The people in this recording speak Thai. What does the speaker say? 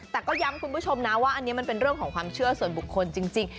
แต่ก็ย้ำคุณผู้ชมนะว่าอันนี้มันเป็นเรื่องของความเชื่อส่วนบุคคลจริง